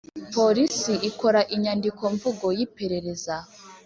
polisi ikora inyandiko mvugo y iperereza